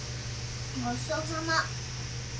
ごちそうさま。